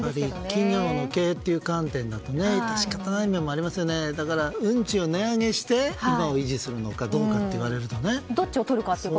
企業の経営という観点では仕方ないかもしれませんがだから運賃を値上げして今を維持するかどうかといわれるとね。